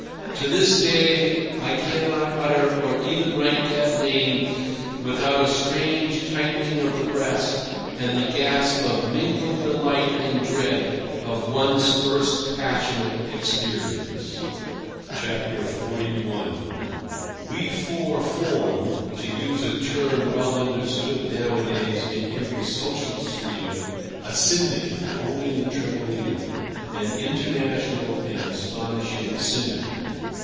To this day I cannot utter or even write that name without a strange tightening of the breast and the gasp of mingled delight and dread of one's first passionate experience. XLI. We four formed (to use a term well understood nowadays in every social sphere) a "syndicate" owning the Tremolino: an international and astonishing syndicate.